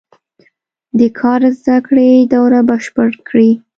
د کار زده کړې دوره بشپړه کړي.